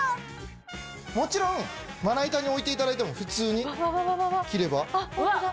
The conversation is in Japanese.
もちろんまな板に置いていただいても普通に切れば。